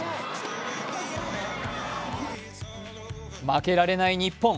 負けられない日本。